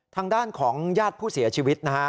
ทางด้านของญาติผู้เสียชีวิตนะฮะ